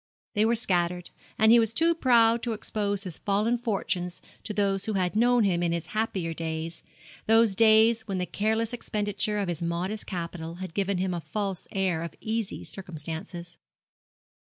They were scattered; and he was too proud to expose his fallen fortunes to those who had known him in his happier days, those days when the careless expenditure of his modest capital had given him a false air of easy circumstances.